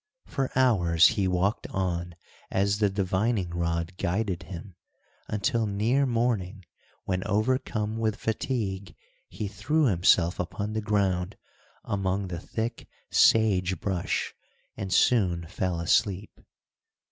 For hours he walked on as the divining rod guided him, until near morning, when, overcome with fatigue, he threw himself upon the ground among the thick sage brush, and soon fell asleep.